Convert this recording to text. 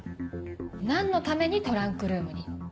何のためにトランクルームに？